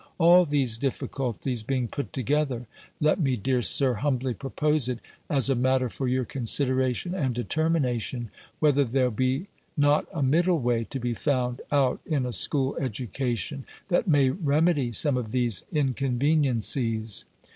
All these difficulties being put together, let me, dear Sir, humbly propose it, as a matter for your consideration and determination, whether there be not a middle way to be found out in a school education, that may remedy some of these inconveniencies?